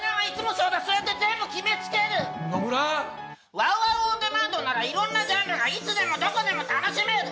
ＷＯＷＯＷオンデマンドならいろんなジャンルがいつでもどこでも楽しめる！